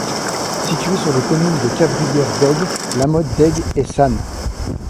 Situé sur les communes de Cabrières d'Aigues, la Motte d'Aigues et Sannes.